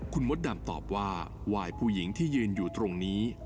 คุณมดดำตอบว่าวายผู้หญิงที่ยืนอยู่ตรงนี้